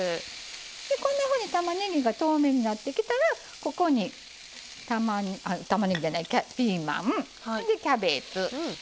こんなふうにたまねぎが透明になってきたらここにピーマンキャベツ